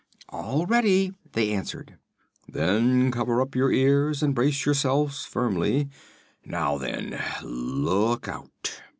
"All ready!" they answered. "Then cover up your ears and brace yourselves firmly. Now, then look out!"